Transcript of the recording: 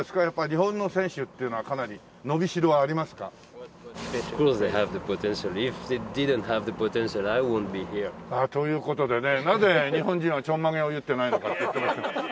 日本の選手っていうのはかなり伸びしろありますか？という事でねなぜ日本人はちょんまげを結ってないのかって言ってます。